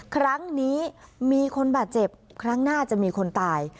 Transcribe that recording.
ครั้งนี้มีคนบาดเจ็บครั้งหน้าจะมีคนตาย